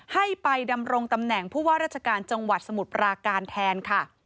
ให้ไปดำรงตำแหน่งผู้ว่าราชการจังหวัดสมุทรปราการแทนค่ะ